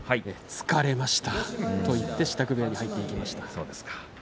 疲れましたと言って支度部屋に入っていきました。